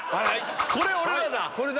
これ俺らだ！